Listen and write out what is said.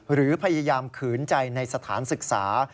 หรือพยายามขืนใจในสถานศึกษา